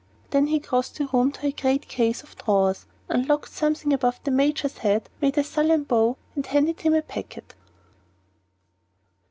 Then he crossed the room to a great case of drawers, unlocked something above the Major's head, made a sullen bow, and handed him a packet.